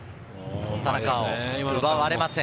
田中碧、奪われません。